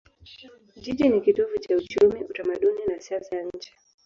Jiji ni kitovu cha uchumi, utamaduni na siasa ya nchi.